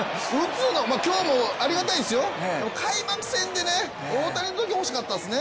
今日もありがたいんですよ、でも開幕戦でね、大谷のとき、欲しかったですね。